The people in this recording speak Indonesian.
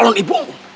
tapi bukan akhirnya